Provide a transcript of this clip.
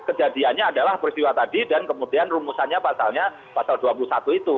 kejadiannya adalah peristiwa tadi dan kemudian rumusannya pasalnya pasal dua puluh satu itu